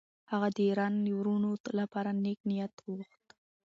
هغه د ایران د وروڼو لپاره نېک نیت وغوښت.